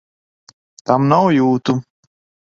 Tam nav jūtu!